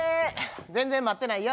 全然待ってないよ。